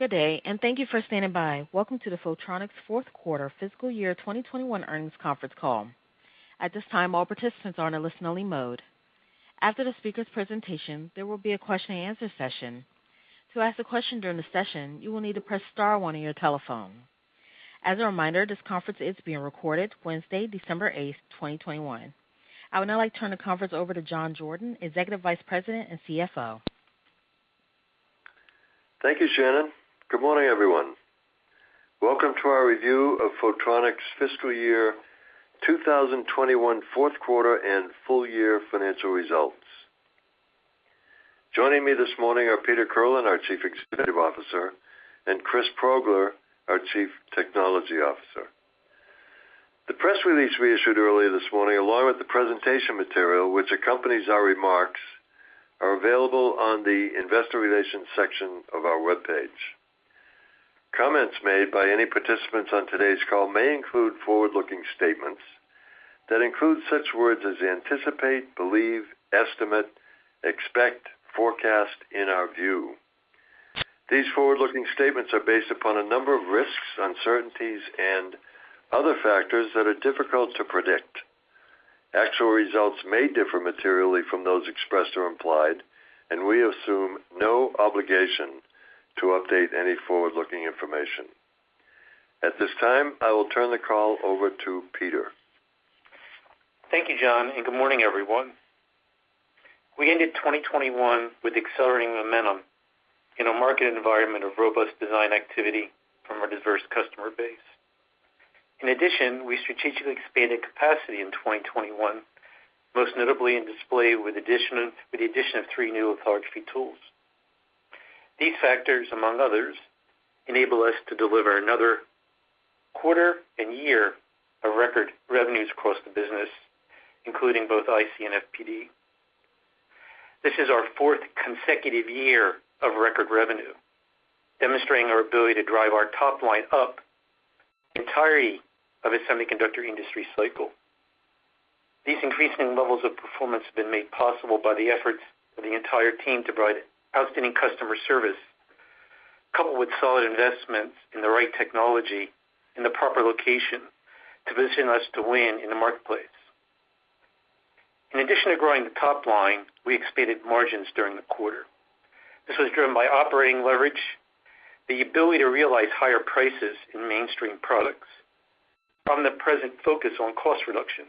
Good day and thank you for standing by. Welcome to the Photronics Fourth Quarter Fiscal Year 2021 Earnings Conference Call. At this time, all participants are in a listen-only mode. After the speaker's presentation, there will be a question-and-answer session. To ask a question during the session, you will need to press star one on your telephone. As a reminder, this conference is being recorded Wednesday, December 8, 2021. I would now like to turn the conference over to John Jordan, Executive Vice President and CFO. Thank you, Shannon. Good morning, everyone. Welcome to our review of Photronics Fiscal Year 2021 Fourth Quarter and Full Year Financial Results. Joining me this morning are Peter Kirlin, our Chief Executive Officer, and Chris Progler, our Chief Technology Officer. The press release we issued earlier this morning, along with the presentation material which accompanies our remarks, are available on the investor relations section of our webpage. Comments made by any participants on today's call may include forward-looking statements that include such words as anticipate, believe, estimate, expect, forecast, in our view. These forward-looking statements are based upon a number of risks, uncertainties, and other factors that are difficult to predict. Actual results may differ materially from those expressed or implied, and we assume no obligation to update any forward-looking information. At this time, I will turn the call over to Peter. Thank you, John, and good morning, everyone. We ended 2021 with accelerating momentum in a market environment of robust design activity from our diverse customer base. In addition, we strategically expanded capacity in 2021, most notably in display with the addition of three new large Generation 8 tools. These factors, among others, enable us to deliver another quarter and year of record revenues across the business, including both IC and FPD. This is our fourth consecutive year of record revenue, demonstrating our ability to drive our top line up the entirety of a semiconductor industry cycle. These increasing levels of performance have been made possible by the efforts of the entire team to provide outstanding customer service, coupled with solid investments in the right technology in the proper location to position us to win in the marketplace. In addition to growing the top line, we expanded margins during the quarter. This was driven by operating leverage, the ability to realize higher prices in mainstream products from the present focus on cost reductions.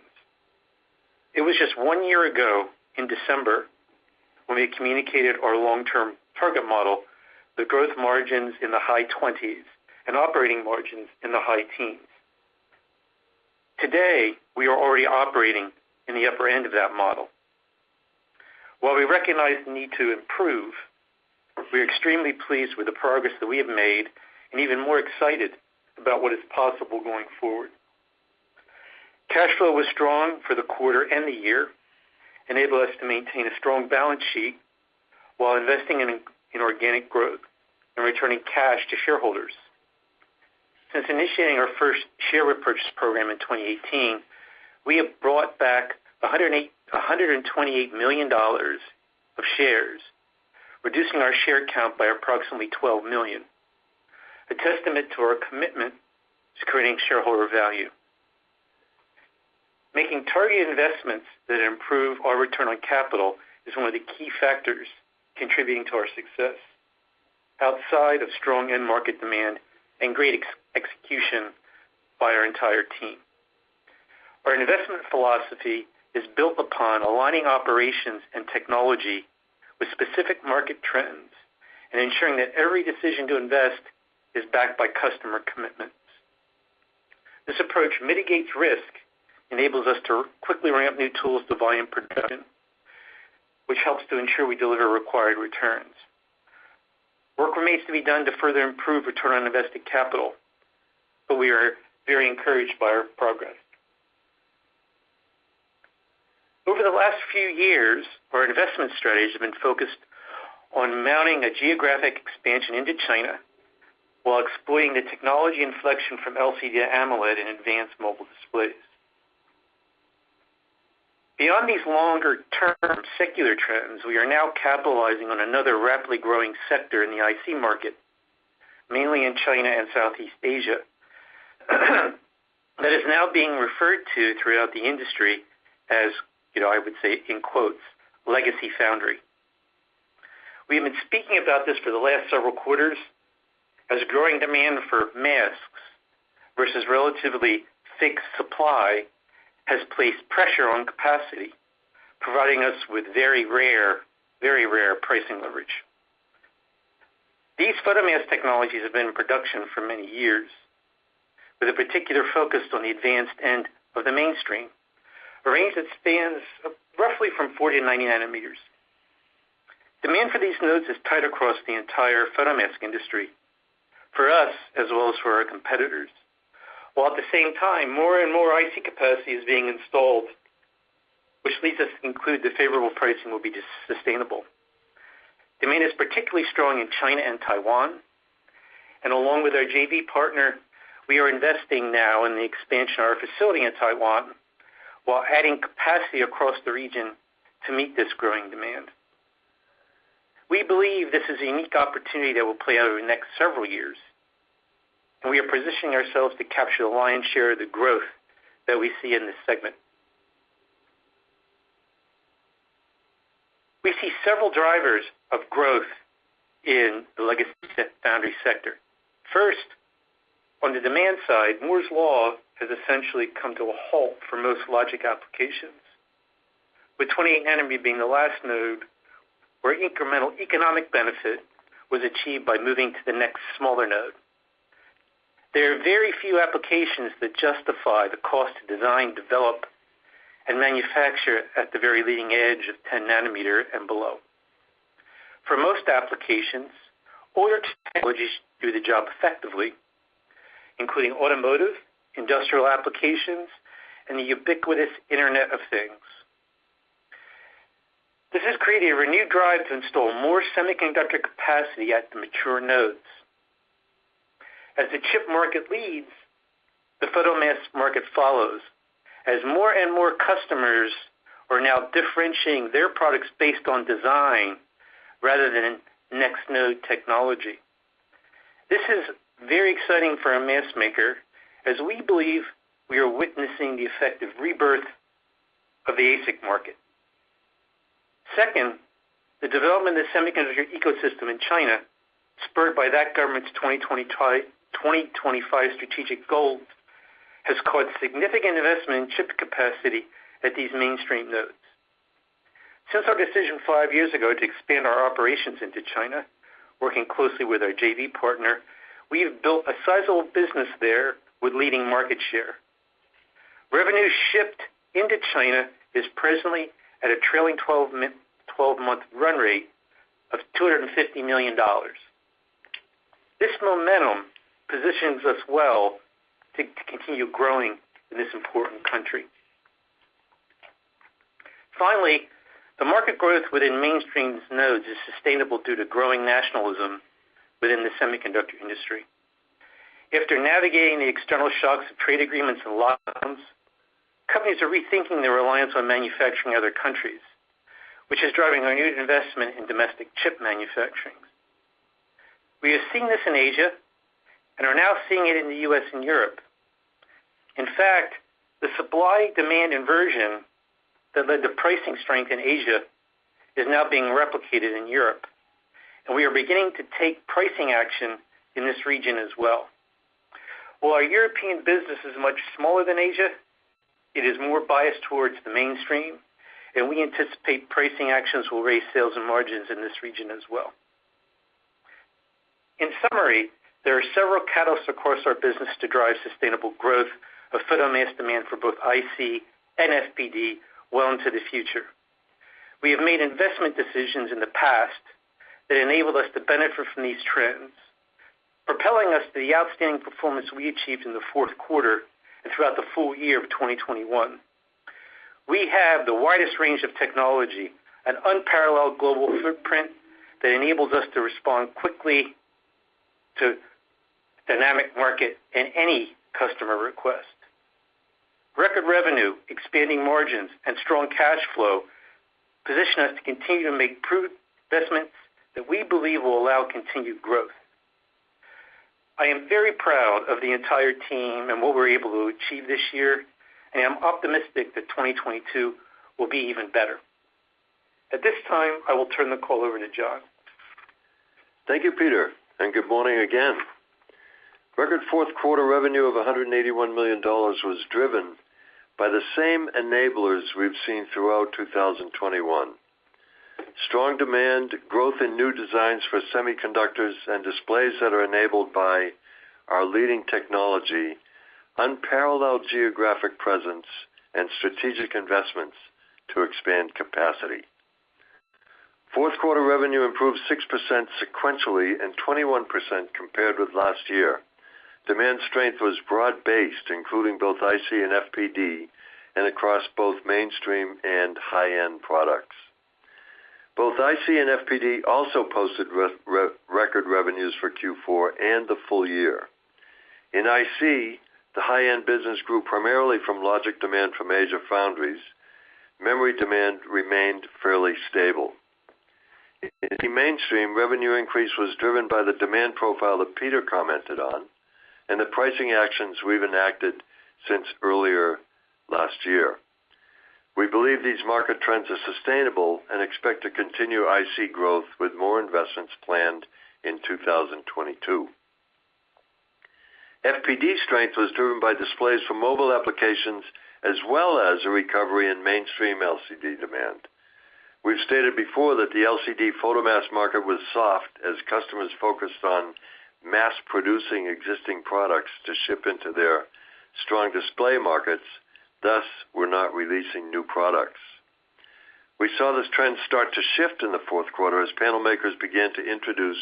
It was just one year ago in December, when we communicated our long-term target model, the gross margins in the high 20s and operating margins in the high teens. Today, we are already operating in the upper end of that model. While we recognize the need to improve, we're extremely pleased with the progress that we have made and even more excited about what is possible going forward. Cash flow was strong for the quarter and the year, enabled us to maintain a strong balance sheet while investing in organic growth and returning cash to shareholders. Since initiating our first share repurchase program in 2018, we have brought back $128 million of shares, reducing our share count by approximately 12 million, a testament to our commitment to creating shareholder value. Making targeted investments that improve our return on capital is one of the key factors contributing to our success outside of strong end market demand and great execution by our entire team. Our investment philosophy is built upon aligning operations and technology with specific market trends and ensuring that every decision to invest is backed by customer commitments. This approach mitigates risk, enables us to quickly ramp new tools to volume production, which helps to ensure we deliver required returns. Work remains to be done to further improve return on invested capital, but we are very encouraged by our progress. Over the last few years, our investment strategies have been focused on mounting a geographic expansion into China while exploiting the technology inflection from LCD to AMOLED in advanced mobile displays. Beyond these longer-term secular trends, we are now capitalizing on another rapidly growing sector in the IC market, mainly in China and Southeast Asia, that is now being referred to throughout the industry as, you know, I would say in quotes, "Legacy Foundry." We have been speaking about this for the last several quarters as growing demand for masks versus relatively fixed supply has placed pressure on capacity, providing us with very rare pricing leverage. These photomask technologies have been in production for many years, with a particular focus on the advanced end of the mainstream, a range that spans roughly from 40-90 nanometers. Demand for these nodes is tight across the entire photomask industry for us as well as for our competitors, while at the same time, more and more IC capacity is being installed, which leads us to conclude the favorable pricing will be sustainable. Demand is particularly strong in China and Taiwan. Along with our JV partner, we are investing now in the expansion of our facility in Taiwan while adding capacity across the region to meet this growing demand. We believe this is a unique opportunity that will play out over the next several years, and we are positioning ourselves to capture the lion's share of the growth that we see in this segment. We see several drivers of growth in the Legacy Foundry sector. First, on the demand side, Moore's Law has essentially come to a halt for most logic applications, with 20 nanometer being the last node where incremental economic benefit was achieved by moving to the next smaller node. There are very few applications that justify the cost to design, develop, and manufacture at the very leading edge of 10 nanometer and below. For most applications, older technologies do the job effectively, including automotive, industrial applications, and the ubiquitous Internet of Things. This has created a renewed drive to install more semiconductor capacity at the mature nodes. As the chip market leads, the photo mask market follows, as more and more customers are now differentiating their products based on design rather than next node technology. This is very exciting for a mask maker as we believe we are witnessing the effective rebirth of the ASIC market. Second, the development of the semiconductor ecosystem in China, spurred by that government's 2025 strategic goals, has caused significant investment in chip capacity at these mainstream nodes. Since our decision five years ago to expand our operations into China, working closely with our JV partner, we have built a sizable business there with leading market share. Revenue shift into China is presently at a trailing 12-month run rate of $250 million. This momentum positions us well to continue growing in this important country. Finally, the market growth within mainstream nodes is sustainable due to growing nationalism within the semiconductor industry. After navigating the external shocks of trade agreements and lockdowns, companies are rethinking their reliance on manufacturing in other countries, which is driving renewed investment in domestic chip manufacturing. We have seen this in Asia, and are now seeing it in the U.S. and Europe. In fact, the supply-demand inversion that led to pricing strength in Asia is now being replicated in Europe, and we are beginning to take pricing action in this region as well. While our European business is much smaller than Asia, it is more biased towards the mainstream, and we anticipate pricing actions will raise sales and margins in this region as well. In summary, there are several catalysts across our business to drive sustainable growth of photomask demand for both IC and FPD well into the future. We have made investment decisions in the past that enabled us to benefit from these trends, propelling us to the outstanding performance we achieved in the fourth quarter and throughout the full year of 2021. We have the widest range of technology and unparalleled global footprint that enables us to respond quickly to dynamic market and any customer request. Record revenue, expanding margins, and strong cash flow position us to continue to make prudent investments that we believe will allow continued growth. I am very proud of the entire team and what we were able to achieve this year, and I'm optimistic that 2022 will be even better. At this time, I will turn the call over to John. Thank you, Peter, and good morning again. Record fourth quarter revenue of $181 million was driven by the same enablers we've seen throughout 2021. Strong demand, growth in new designs for semiconductors and displays that are enabled by our leading technology, unparalleled geographic presence, and strategic investments to expand capacity. Fourth quarter revenue improved 6% sequentially and 21% compared with last year. Demand strength was broad-based, including both IC and FPD, and across both mainstream and high-end products. Both IC and FPD also posted record revenues for Q4 and the full year. In IC, the high-end business grew primarily from logic demand from major foundries. Memory demand remained fairly stable. In the mainstream, revenue increase was driven by the demand profile that Peter commented on and the pricing actions we've enacted since earlier last year. We believe these market trends are sustainable and expect to continue IC growth with more investments planned in 2022. FPD strength was driven by displays for mobile applications as well as a recovery in mainstream LCD demand. We've stated before that the LCD photomask market was soft as customers focused on mass producing existing products to ship into their strong display markets, thus were not releasing new products. We saw this trend start to shift in the fourth quarter as panel makers began to introduce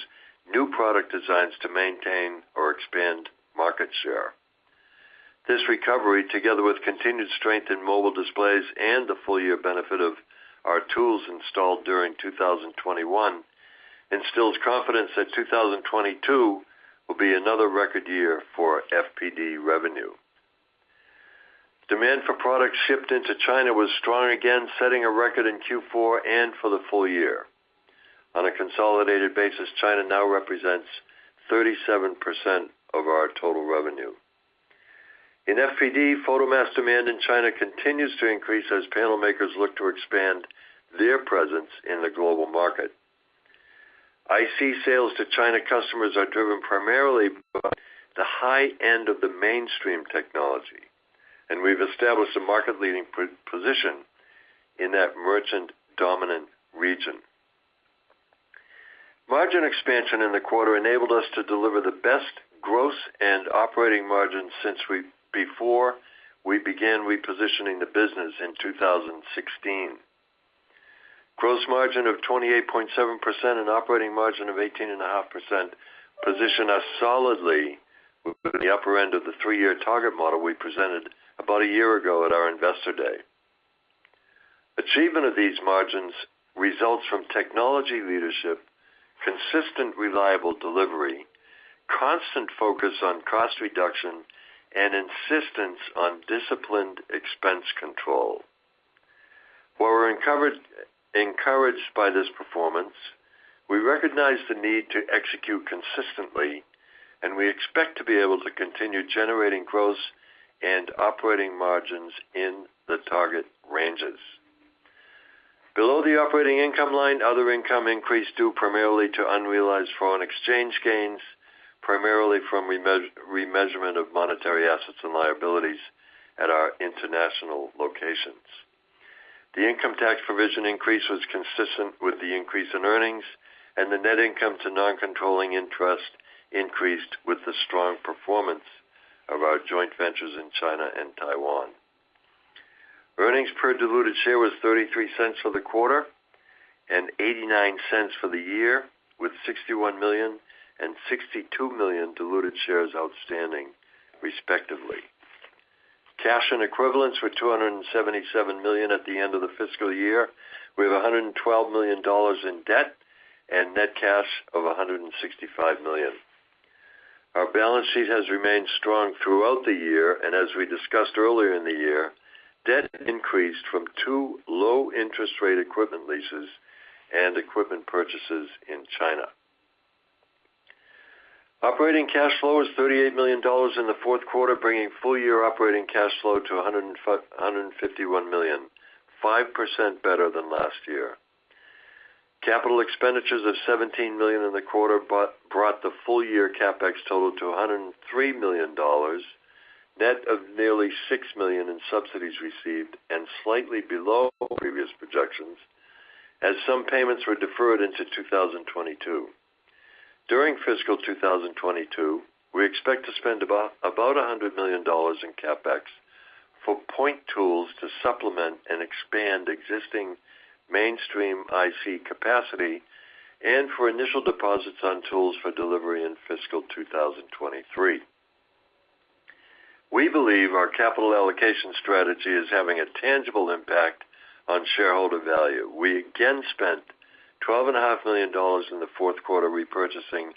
new product designs to maintain or expand market share. This recovery, together with continued strength in mobile displays and the full year benefit of our tools installed during 2021, instills confidence that 2022 will be another record year for FPD revenue. Demand for products shipped into China was strong, again setting a record in Q4 and for the full year. On a consolidated basis, China now represents 37% of our total revenue. In FPD, photomask demand in China continues to increase as panel makers look to expand their presence in the global market. IC sales to China customers are driven primarily by the high end of the mainstream technology, and we've established a market-leading position in that merchant-dominant region. Margin expansion in the quarter enabled us to deliver the best gross and operating margin since before we began repositioning the business in 2016. Gross margin of 28.7% and operating margin of 18.5% position us solidly within the upper end of the three-year target model we presented about a year ago at our Investor Day. Achievement of these margins results from technology leadership, consistent, reliable delivery, constant focus on cost reduction, and insistence on disciplined expense control. While we're encouraged by this performance, we recognize the need to execute consistently, and we expect to be able to continue generating gross and operating margins in the target ranges. Below the operating income line, other income increased due primarily to unrealized foreign exchange gains, primarily from remeasurement of monetary assets and liabilities at our international locations. The income tax provision increase was consistent with the increase in earnings, and the net income to non-controlling interest increased with the strong performance of our joint ventures in China and Taiwan. Earnings per diluted share was $0.33 for the quarter and $0.89 for the year, with $61 million and $62 million diluted shares outstanding, respectively. Cash and equivalents were $277 million at the end of the fiscal year. We have $112 million in debt and net cash of $165 million. Our balance sheet has remained strong throughout the year, and as we discussed earlier in the year, debt increased from two low-interest rate equipment leases and equipment purchases in China. Operating cash flow was $38 million in the fourth quarter, bringing full-year operating cash flow to $151 million, 5% better than last year. Capital expenditures of $17 million in the quarter brought the full-year CapEx total to $103 million, net of nearly $6 million in subsidies received and slightly below previous projections as some payments were deferred into 2022. During fiscal 2022, we expect to spend about $100 million in CapEx for point tools to supplement and expand existing mainstream IC capacity and for initial deposits on tools for delivery in fiscal 2023. We believe our capital allocation strategy is having a tangible impact on shareholder value. We again spent $12.5 million in the fourth quarter repurchasing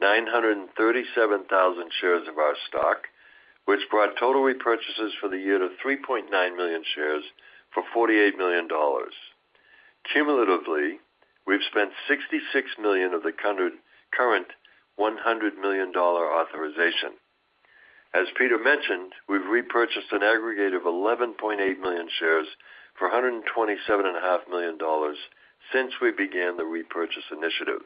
937,000 shares of our stock, which brought total repurchases for the year to 3.9 million shares for $48 million. Cumulatively, we've spent $66 million of the current $100 million authorization. As Peter mentioned, we've repurchased an aggregate of 11.8 million shares for $127.5 million since we began the repurchase initiative.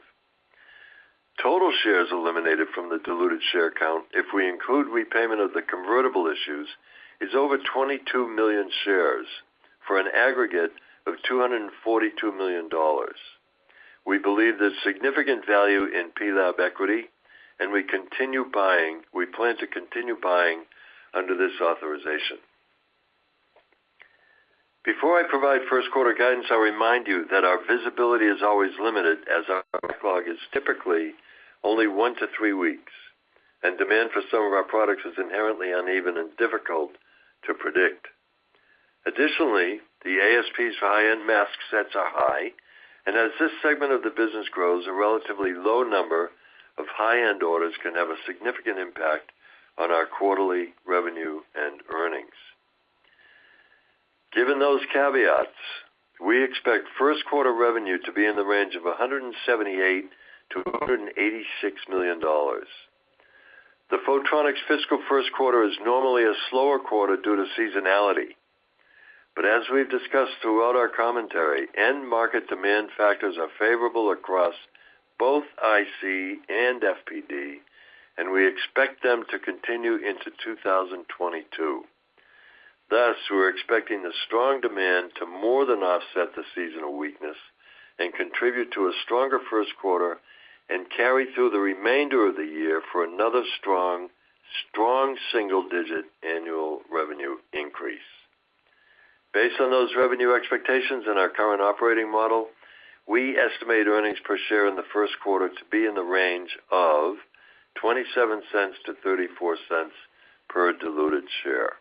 Total shares eliminated from the diluted share count, if we include repayment of the convertible issues, is over 22 million shares for an aggregate of $242 million. We believe there's significant value in PLAB equity, and we plan to continue buying under this authorization. Before I provide first quarter guidance, I'll remind you that our visibility is always limited, as our backlog is typically only one to three weeks, and demand for some of our products is inherently uneven and difficult to predict. Additionally, the ASPs for high-end mask sets are high, and as this segment of the business grows, a relatively low number of high-end orders can have a significant impact on our quarterly revenue and earnings. Given those caveats, we expect first quarter revenue to be in the range of $178 million-$186 million. Photronics fiscal first quarter is normally a slower quarter due to seasonality. As we've discussed throughout our commentary, end market demand factors are favorable across both IC and FPD, and we expect them to continue into 2022. Thus, we're expecting the strong demand to more than offset the seasonal weakness and contribute to a stronger first quarter and carry through the remainder of the year for another strong single-digit annual revenue increase. Based on those revenue expectations and our current operating model, we estimate earnings per share in the first quarter to be in the range of $0.27-$0.34 per diluted share.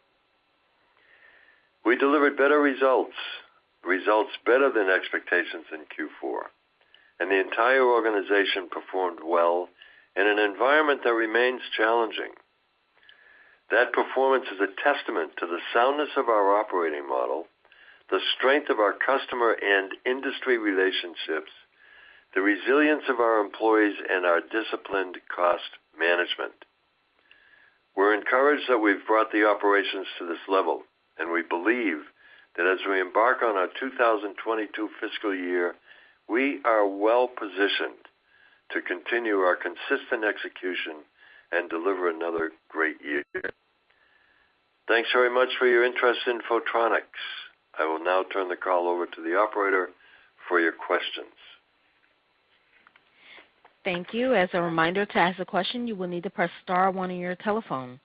We delivered better results than expectations in Q4, and the entire organization performed well in an environment that remains challenging. That performance is a testament to the soundness of our operating model, the strength of our customer and industry relationships, the resilience of our employees, and our disciplined cost management. We're encouraged that we've brought the operations to this level, and we believe that as we embark on our 2022 fiscal year, we are well-positioned to continue our consistent execution and deliver another great year. Thanks very much for your interest in Photronics. I will now turn the call over to the operator for your questions. Thank you. As a reminder, to ask a question, you will need to press star one on your telephone.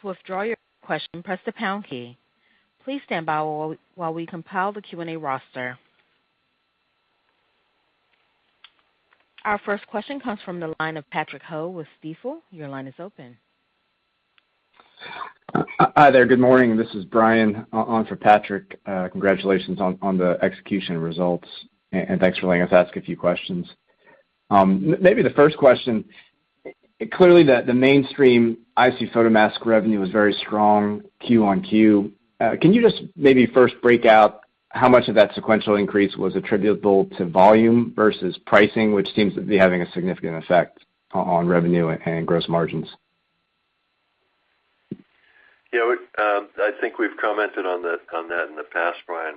To withdraw your question, press the pound key. Please stand by while we compile the Q&A roster. Our first question comes from the line of Patrick Ho with Stifel. Your line is open. Hi there. Good morning. This is Brian on for Patrick. Congratulations on the execution results, and thanks for letting us ask a few questions. Maybe the first question, clearly the mainstream IC photomask revenue is very strong QoQ. Can you just maybe first break out how much of that sequential increase was attributable to volume versus pricing, which seems to be having a significant effect on revenue and gross margins? Yeah, I think we've commented on that in the past, Brian.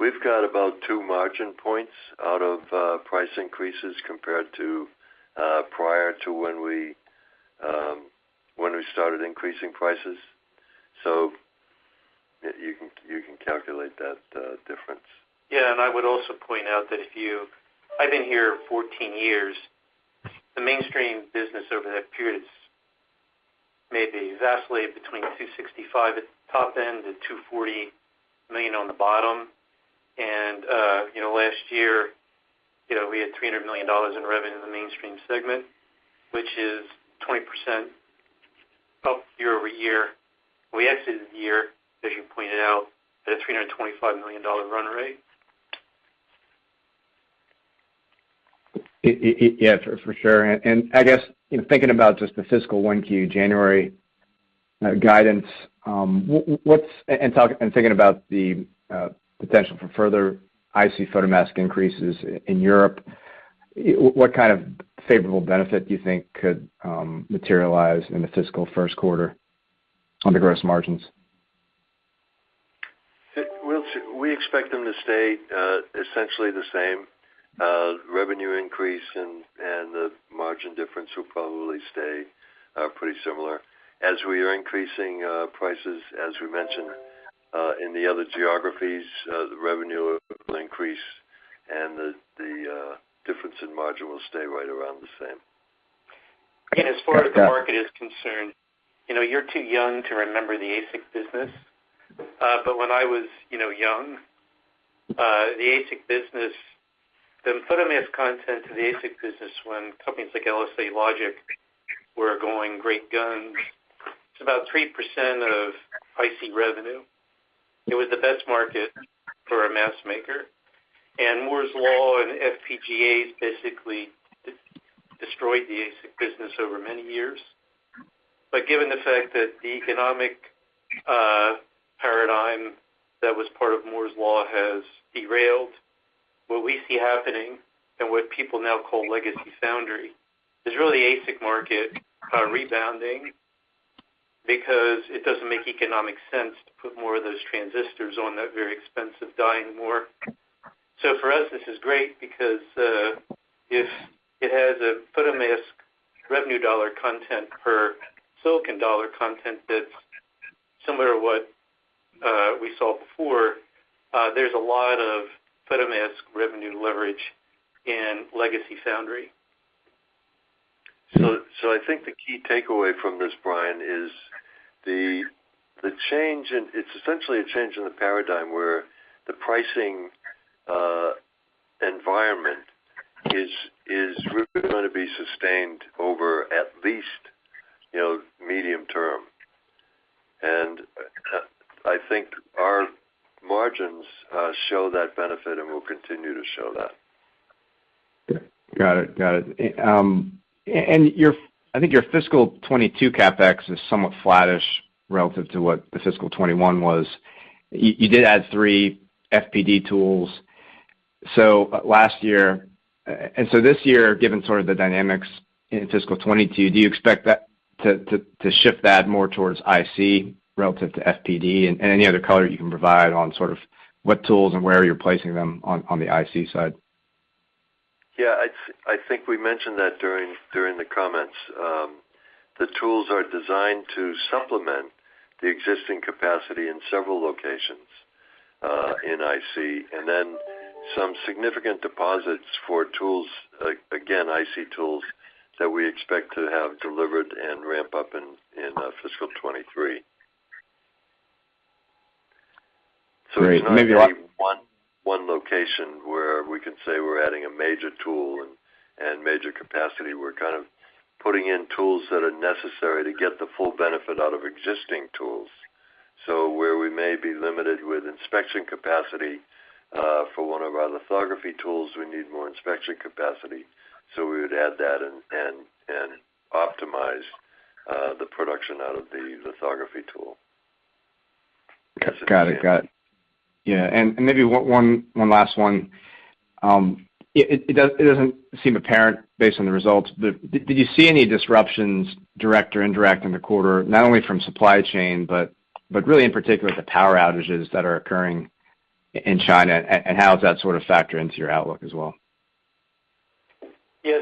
We've got about two margin points out of price increases compared to prior to when we started increasing prices. You can calculate that difference. Yeah, I would also point out I've been here 14 years. The mainstream business over that period has maybe vacillated between $265 million at the top end and $240 million on the bottom. You know, last year, you know, we had $300 million in revenue in the mainstream segment, which is 20% up year-over-year. We exited the year, as you pointed out, at a $325 million run rate. Yes, for sure. I guess, you know, thinking about just the fiscal 1Q January guidance, what's the potential for further IC photomask increases in Europe, what kind of favorable benefit do you think could materialize in the fiscal first quarter on the gross margins? We'll see. We expect them to stay essentially the same. Revenue increase and the margin difference will probably stay pretty similar. As we are increasing prices, as we mentioned, in the other geographies, the revenue will increase and the difference in margin will stay right around the same. Okay. As far as the market is concerned, you know, you're too young to remember the ASIC business. But when I was, you know, young, the ASIC business, the photomask content to the ASIC business when companies like LSI Logic were going great guns, it's about 3% of IC revenue. It was the best market for a mask maker. Moore's Law and FPGAs basically destroyed the ASIC business over many years. Given the fact that the economic paradigm that was part of Moore's Law has derailed, what we see happening and what people now call legacy foundry is really ASIC market rebounding because it doesn't make economic sense to put more of those transistors on that very expensive dying Moore. For us, this is great because if it has a photomask revenue dollar content per silicon dollar content that's similar to what we saw before, there's a lot of photomask revenue leverage in legacy foundry. I think the key takeaway from this, Brian, is essentially a change in the paradigm where the pricing environment is really gonna be sustained over at least, you know, medium term. I think our margins show that benefit, and will continue to show that. Got it. I think your fiscal 2022 CapEx is somewhat flattish relative to what the fiscal 2021 was. You did add three FPD tools last year. This year, given sort of the dynamics in fiscal 2022, do you expect that to shift that more towards IC relative to FPD? Any other color you can provide on sort of what tools and where you're placing them on the IC side. Yeah. I think we mentioned that during the comments. The tools are designed to supplement the existing capacity in several locations. In IC and then some significant deposits for tools, again, IC tools that we expect to have delivered and ramp up in fiscal 2023. Great. It's not any one location where we can say we're adding a major tool and major capacity. We're kind of putting in tools that are necessary to get the full benefit out of existing tools. Where we may be limited with inspection capacity for one of our lithography tools, we need more inspection capacity, so we would add that and optimize the production out of the lithography tool. Got it. Yeah. Maybe one last one. It doesn't seem apparent based on the results, but did you see any disruptions, direct or indirect, in the quarter, not only from supply chain, but really in particular the power outages that are occurring in China, and how does that sort of factor into your outlook as well? Yeah.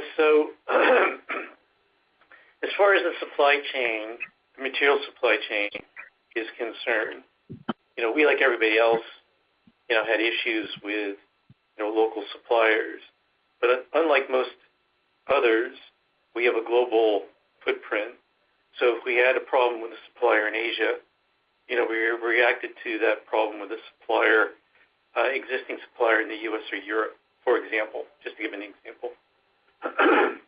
As far as the supply chain, material supply chain is concerned, you know, we, like everybody else, you know, had issues with, you know, local suppliers. Unlike most others, we have a global footprint, so if we had a problem with a supplier in Asia, you know, we reacted to that problem with a supplier, existing supplier in the U.S. or Europe, for example, just to give an example.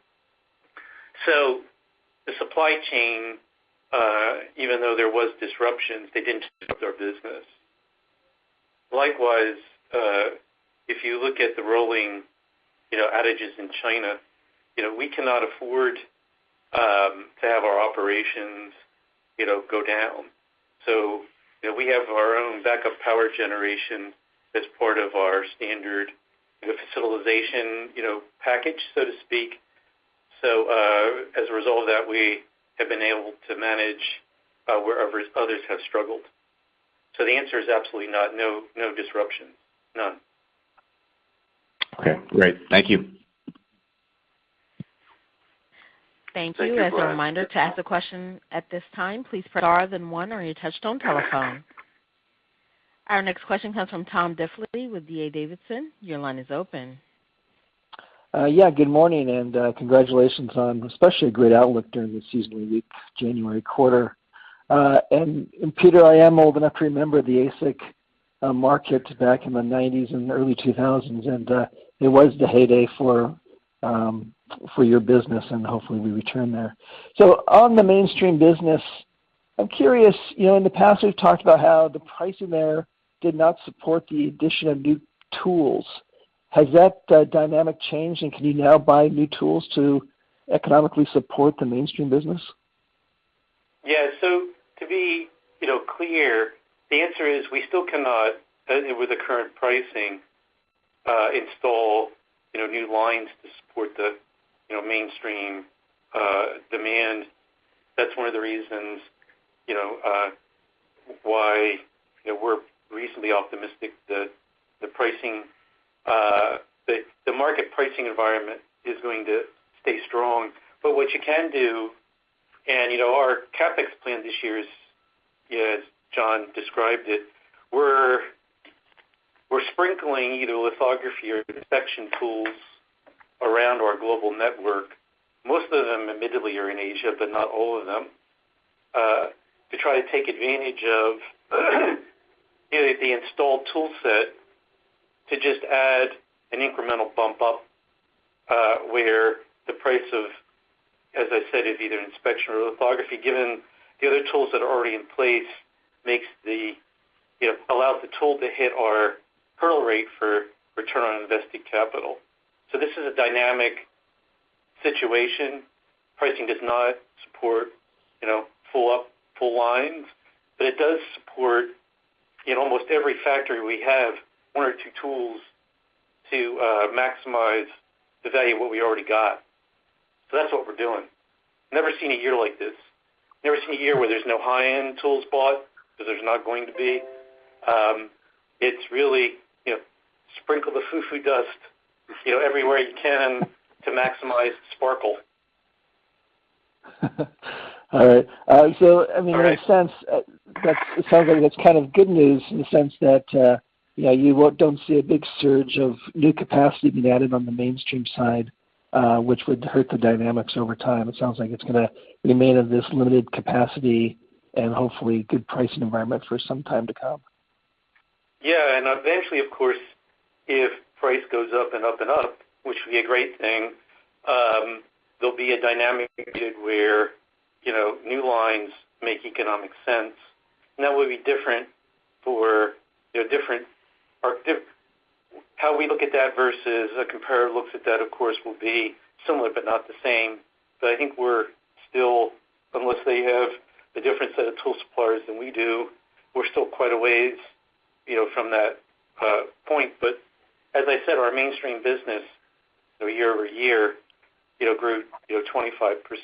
The supply chain, even though there was disruptions, they didn't disrupt our business. Likewise, if you look at the rolling, you know, outages in China, you know, we cannot afford to have our operations, you know, go down. We have our own backup power generation as part of our standard, you know, facility, you know, package, so to speak. As a result of that, we have been able to manage wherever others have struggled. The answer is absolutely not, no disruption. None. Okay. Great. Thank you. Thank you. Thank you. As a reminder, to ask a question at this time, please press star then one on your touchtone telephone. Our next question comes from Tom Diffely with D.A. Davidson. Your line is open. Yeah, good morning, and congratulations on especially a great outlook during the seasonally weak January quarter. Peter, I am old enough to remember the ASIC market back in the 1990s and early 2000s, and it was the heyday for your business, and hopefully we return there. On the mainstream business, I'm curious, you know, in the past we've talked about how the pricing there did not support the addition of new tools. Has that dynamic changed, and can you now buy new tools to economically support the mainstream business? Yeah. To be, you know, clear, the answer is we still cannot, with the current pricing, install, you know, new lines to support the, you know, mainstream demand. That's one of the reasons, you know, why, you know, we're reasonably optimistic the pricing, the market pricing environment is going to stay strong. What you can do, and you know, our CapEx plan this year is, you know, as John described it, we're sprinkling, you know, lithography or inspection tools around our global network, most of them admittedly are in Asia, but not all of them, to try to take advantage of, you know, the installed tool set to just add an incremental bump up, where the price of, as I said, is either inspection or lithography, given the other tools that are already in place makes the, you know, allows the tool to hit our hurdle rate for return on invested capital. This is a dynamic situation. Pricing does not support, you know, full up, full lines, but it does support, in almost every factory we have, one or two tools to maximize the value of what we already got. That's what we're doing. Never seen a year like this. Never seen a year where there's no high-end tools bought, 'cause there's not going to be. It's really, you know, sprinkle the foo-foo dust, you know, everywhere you can to maximize the sparkle. All right. I mean All right. In a sense, it sounds like that's kind of good news in the sense that, you know, you don't see a big surge of new capacity being added on the mainstream side, which would hurt the dynamics over time. It sounds like it's gonna remain of this limited capacity and hopefully good pricing environment for some time to come. Yeah. Eventually, of course, if price goes up and up and up, which would be a great thing, there'll be a dynamic where, you know, new lines make economic sense, and that will be different for, you know, how we look at that versus a competitor looks at that, of course, will be similar but not the same. I think we're still, unless they have a different set of tool suppliers than we do, we're still quite a ways, you know, from that point. As I said, our mainstream business, you know, year over year, you know, grew, you know, 25%,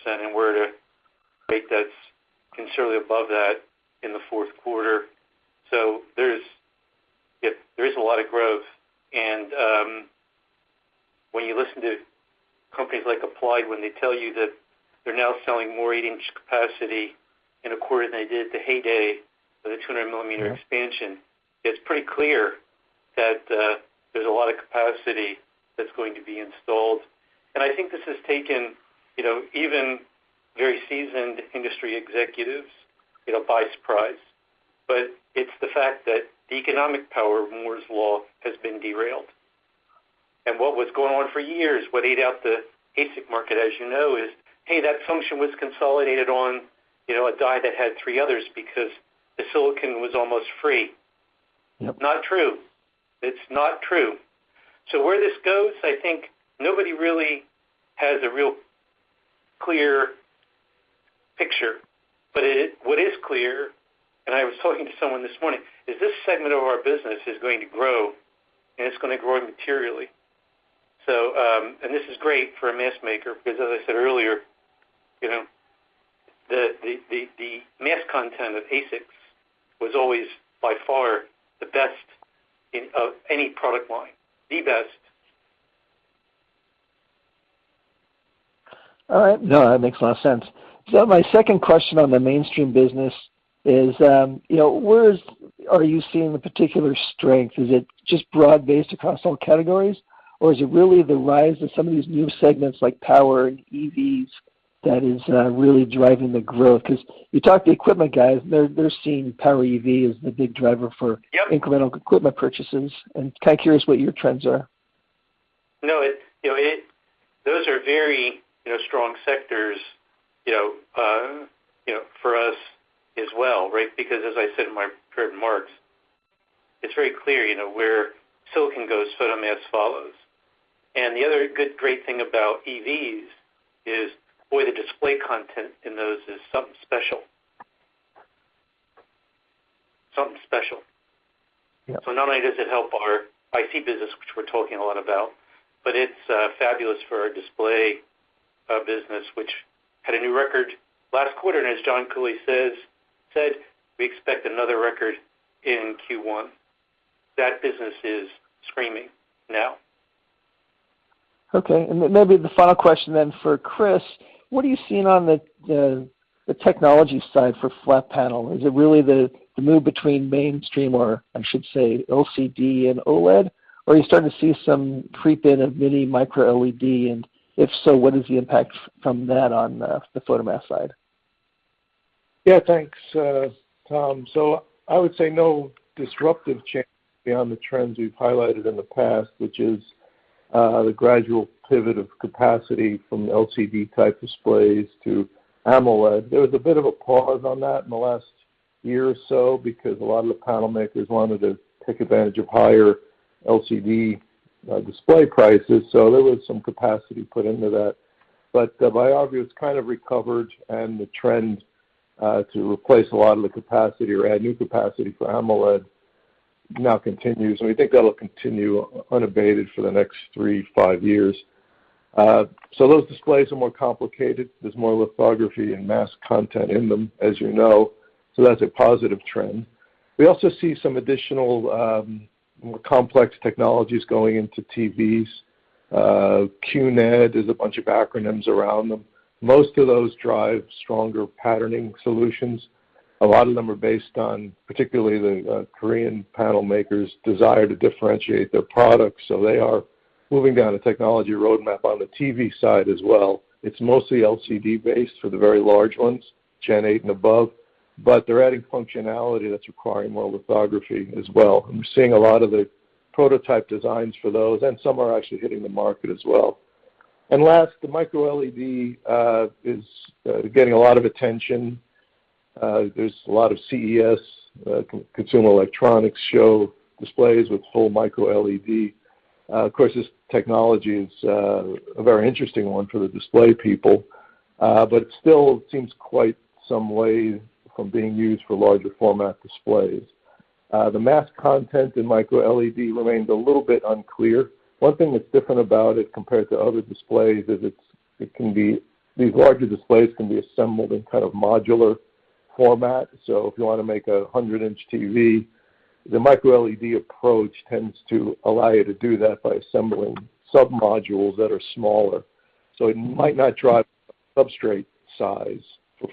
and we're at a rate that's considerably above that in the fourth quarter. There's you know there is a lot of growth, and when you listen to companies like Applied, when they tell you that they're now selling more 8-inch capacity in a quarter than they did at the heyday of the 200-millimeter expansion, it's pretty clear that there's a lot of capacity that's going to be installed. I think this has taken you know even very seasoned industry executives you know by surprise. It's the fact that the economic power of Moore's Law has been derailed. What was going on for years, what ate out the ASIC market, as you know, is hey that function was consolidated on you know a die that had three others because the silicon was almost free. Yep. Not true. It's not true. Where this goes, I think nobody really has a real clear picture. It is what is clear, and I was talking to someone this morning, is this segment of our business is going to grow, and it's gonna grow materially. This is great for a mask maker because as I said earlier, you know, the mask content of ASICs was always by far the best in any product line, the best. All right. No, that makes a lot of sense. My second question on the mainstream business is, you know, where are you seeing the particular strength? Is it just broad-based across all categories, or is it really the rise of some of these new segments like power and EVs that is really driving the growth? Because you talk to the equipment guys, they're seeing power EV as the big driver for- Yep. incremental equipment purchases. Kind of curious what your trends are? No, you know, those are very strong sectors, you know, for us as well, right? Because as I said in my prepared remarks, it's very clear, you know, where silicon goes, photomask follows. The other good, great thing about EVs is, boy, the display content in those is something special. Something special. Yeah. Not only does it help our IT business, which we're talking a lot about, but it's fabulous for our display business, which had a new record last quarter. As John Jordan said, we expect another record in Q1. That business is screaming now. Okay. Maybe the final question for Chris, what are you seeing on the technology side for flat panel? Is it really the move between mainstream or I should say LCD and OLED? Or are you starting to see some creep in of Mini-LED Micro-LED? And if so, what is the impact from that on the photomask side? Yeah, thanks, Tom. I would say no disruptive change beyond the trends we've highlighted in the past, which is the gradual pivot of capacity from the LCD type displays to AMOLED. There was a bit of a pause on that in the last year or so because a lot of the panel makers wanted to take advantage of higher LCD display prices, so there was some capacity put into that. Viavi has kind of recovered and the trend to replace a lot of the capacity or add new capacity for AMOLED now continues, and we think that'll continue unabated for the next three to five years. Those displays are more complicated. There's more lithography and mask content in them, as you know, so that's a positive trend. We also see some additional more complex technologies going into TVs. QNED, there's a bunch of acronyms around them. Most of those drive stronger patterning solutions. A lot of them are based on particularly the Korean panel makers' desire to differentiate their products, so they are moving down a technology roadmap on the TV side as well. It's mostly LCD-based for the very large ones, Generation 8 and above, but they're adding functionality that's requiring more lithography as well. We're seeing a lot of the prototype designs for those, and some are actually hitting the market as well. Last, the Micro-LED is getting a lot of attention. There's a lot of CES consumer electronics show displays with whole Micro-LED. Of course, this technology is a very interesting one for the display people, but still seems quite some way from being used for larger format displays. The mask content in Micro-LED remains a little bit unclear. One thing that's different about it compared to other displays is it can be, these larger displays can be assembled in kind of modular format. If you wanna make a 100-inch TV, the Micro-LED approach tends to allow you to do that by assembling sub-modules that are smaller. It might not drive substrate size for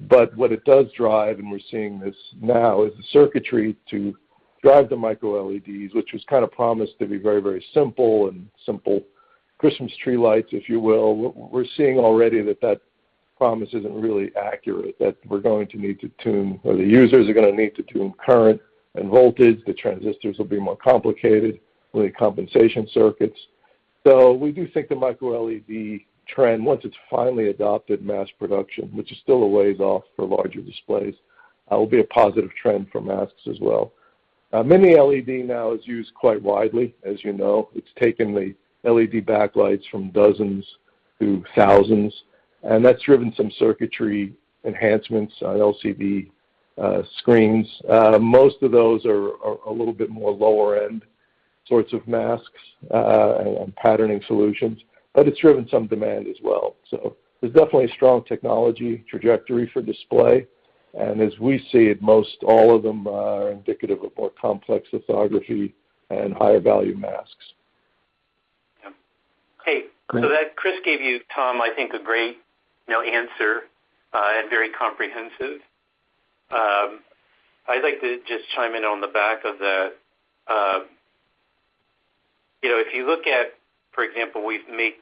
photomasks. What it does drive, and we're seeing this now, is the circuitry to drive the Micro-LEDs, which was kind of promised to be very, very simple and simple Christmas tree lights, if you will. We're seeing already that promise isn't really accurate, that we're going to need to tune, or the users are gonna need to tune current and voltage. The transistors will be more complicated, we need compensation circuits. We do think the Micro-LED trend, once it's finally adopted mass production, which is still a ways off for larger displays, will be a positive trend for masks as well. Mini-LED now is used quite widely, as you know. It's taken the LED backlights from dozens to thousands, and that's driven some circuitry enhancements on LCD screens. Most of those are a little bit more lower end sorts of masks and patterning solutions, but it's driven some demand as well. There's definitely a strong technology trajectory for displays. As we see it, most all of them are indicative of more complex lithography and higher value masks. Yeah. Okay. That Chris gave you, Tom, I think a great, you know, answer, and very comprehensive. I'd like to just chime in on the back of that. You know, if you look at, for example, we've made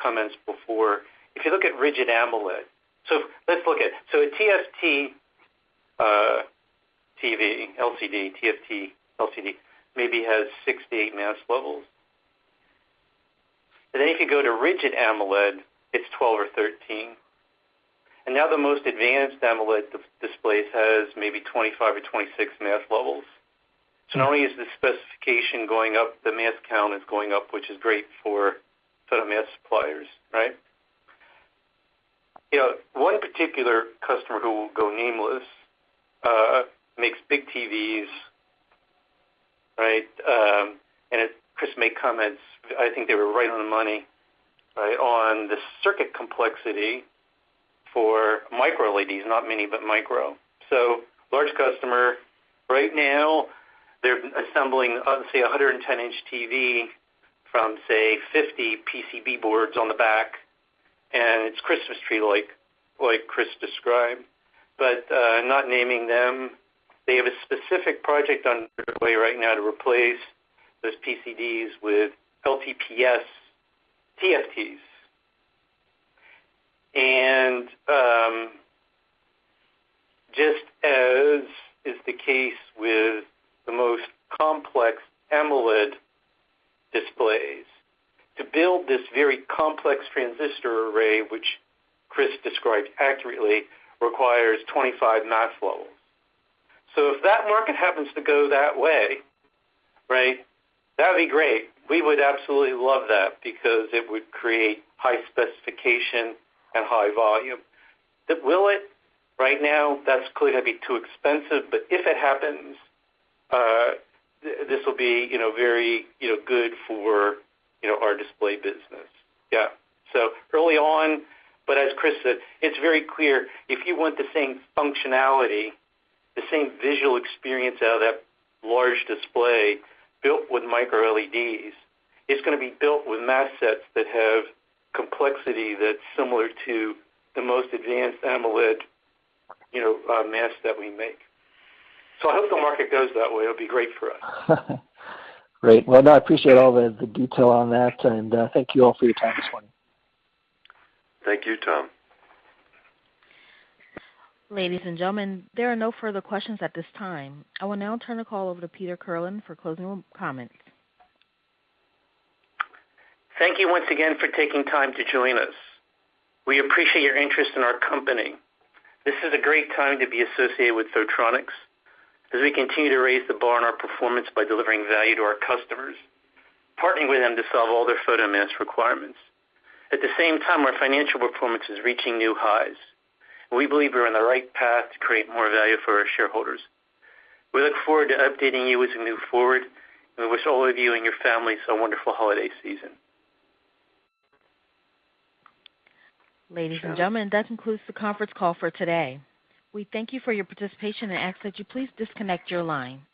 comments before, if you look at rigid AMOLED, a TFT TV, LCD, TFT LCD maybe has six to eight mask levels. Then if you go to rigid AMOLED, it's 12 or 13. Now the most advanced AMOLED displays has maybe 25 or 26 mask levels. Not only is the specification going up, the mask count is going up, which is great for photomask suppliers, right? You know, one particular customer who will go nameless makes big TVs, right? As Chris made comments, I think they were right on the money, right, on the circuit complexity for Micro-LEDs, not Mini-LED, but micro-LED. Large customer right now, they're assembling, let's say, a 110-inch TV from, say, 50 PCB boards on the back, and it's Christmas tree-like, like Chris described, but not naming them. They have a specific project underway right now to replace those PCBs with LTPS TFTs. Just as is the case with the most complex AMOLED displays, to build this very complex transistor array, which Chris described accurately, requires 25 mask levels. If that market happens to go that way, right, that would be great. We would absolutely love that because it would create high specification and high volume. Will it? Right now, that's clearly going to be too expensive. If it happens, this will be, you know, very, you know, good for, you know, our display business. Yeah. Early on, but as Chris said, it's very clear if you want the same functionality, the same visual experience out of that large display built with Micro-LEDs, it's gonna be built with mask sets that have complexity that's similar to the most advanced AMOLED, you know, masks that we make. I hope the market goes that way. It'll be great for us. Great. Well, no, I appreciate all the detail on that, and thank you all for your time this morning. Thank you, Tom. Ladies and gentlemen, there are no further questions at this time. I will now turn the call over to Peter Kirlin for closing comments. Thank you once again for taking time to join us. We appreciate your interest in our company. This is a great time to be associated with Photronics as we continue to raise the bar on our performance by delivering value to our customers, partnering with them to solve all their photomask requirements. At the same time, our financial performance is reaching new highs, and we believe we're on the right path to create more value for our shareholders. We look forward to updating you as we move forward, and we wish all of you and your families a wonderful holiday season. Ladies and gentlemen, that concludes the conference call for today. We thank you for your participation and ask that you please disconnect your line.